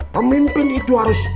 pemimpin itu harus